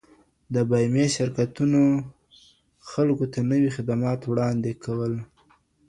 د بيمې شرکتونو خلګو ته نوي خدمات وړاندي کول.